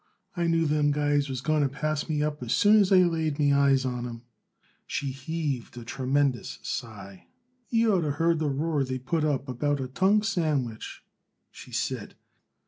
"I knew them guys was going to pass me up as soon as I laid me eyes on 'em." She heaved a tremendous sigh. "Y'orter heard the roar they put up about a tongue sandwich," she said.